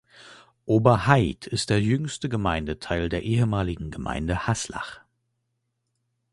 Oberhaid ist der jüngste Gemeindeteil der ehemaligen Gemeinde Haslach.